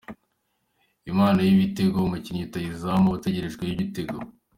Imana y’ibitego: Umukinnyi rutahizamu, uba utegerejweho ibitego.